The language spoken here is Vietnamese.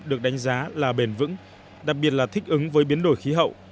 được đánh giá là bền vững đặc biệt là thích ứng với biến đổi khí hậu